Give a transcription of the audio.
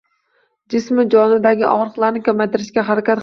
Jism-u jonidagi ogʻriqlarni kamaytirishga harakat qilardi.